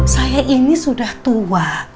saya ini sudah tua